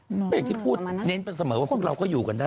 เพราะอย่างที่พูดเน้นไปเสมอว่าพวกเราก็อยู่กันได้